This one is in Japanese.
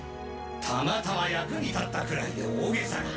たまたま役に立ったくらいで大げさな。